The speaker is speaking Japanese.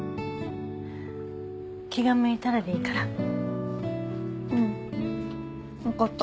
気が向いたらでいいから。うん分かった。